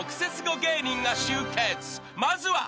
［まずは］